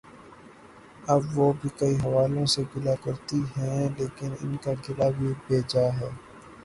اب وہ بھی کئی حوالوں سے گلہ کرتی ہیں لیکن ان کا گلہ بھی بے جا ہے۔